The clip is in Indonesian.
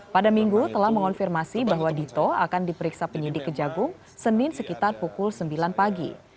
pada minggu telah mengonfirmasi bahwa dito akan diperiksa penyidik kejagung senin sekitar pukul sembilan pagi